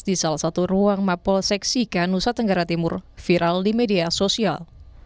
di salah satu ruang mapolsek sika nusa tenggara timur viral di media sosial